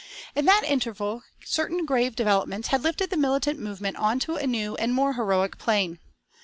In that interval certain grave developments had lifted the militant movement onto a new and more heroic plane.